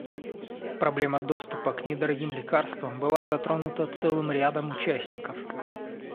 Проблема доступа к недорогим лекарствам была затронута целым рядом участников.